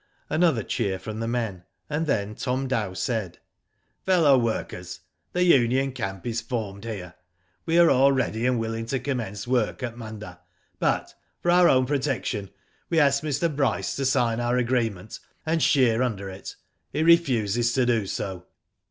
Another cheer from the men, and then Tom Dow said :" Fellow Workers, — The union camp is formed here. We are all ready and willing to commence I 2 Digitized by VjOOQ IC ii6 tV//0 DID ITt work at Munda, but, for our own protection, we ask Mr. Bryce to sign our agreement, and shear under it He refuses to do so.